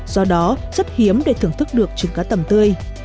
do đó rất hiếm để thưởng thức được trứng cá tầm tươi